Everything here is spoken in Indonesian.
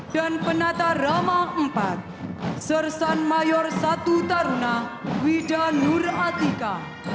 dan penata rama iv sersan mayor satu taruna wida nur atika